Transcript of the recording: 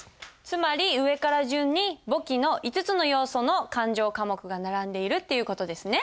つまり上から順に簿記の５つの要素の勘定科目が並んでいるっていう事ですね。